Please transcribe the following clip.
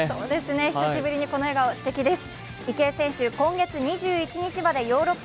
久しぶりにこの笑顔、すてきです。